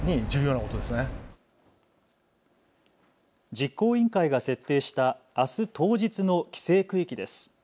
実行委員会が設定したあす当日の規制区域です。